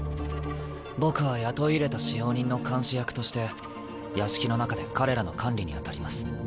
僕は雇い入れた使用人の監視役として屋敷の中で彼らの管理に当たります。